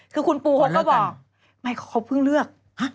คือคุณปูเขาก็บอกไม่เขาเพิ่งเลือก